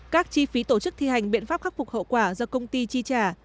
các chi phí tổ chức thi hành biện pháp khắc phục hậu quả do công ty chi trả